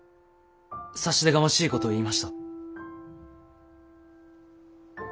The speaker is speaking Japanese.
差し出がましいことを言いました。